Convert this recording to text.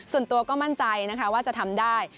ส่วนตัวก็มั่นใจนะคะว่าจะทำได้